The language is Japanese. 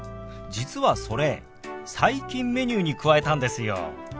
実はそれ最近メニューに加えたんですよ。